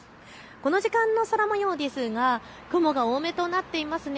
この時間の空もようですが雲が多めとなっていますね。